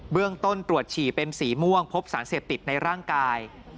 เรื่องต้นตรวจฉี่เป็นสีม่วงพบสารเสพติดในร่างกาย